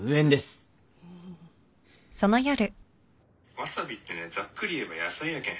ワサビってねざっくり言えば野菜やけん。